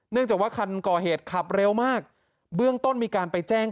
จากว่าคันก่อเหตุขับเร็วมากเบื้องต้นมีการไปแจ้ง